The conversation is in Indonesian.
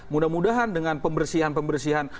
mudah mudahan dengan pembersihan pembersihan